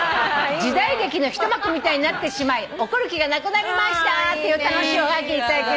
「時代劇の一幕みたいになってしまい怒る気がなくなりました」っていう楽しいおはがき頂きました。